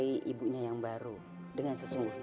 untuk menyukai ibunya yang baru dengan sesungguhnya